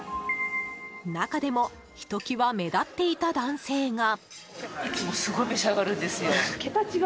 中でも、ひと際目立っていた男性が。